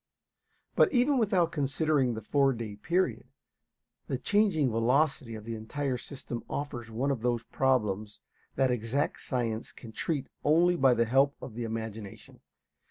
But even without considering the four day period, the changing velocity of the entire system offers one of those problems that exact science can treat only by the help of the imagination.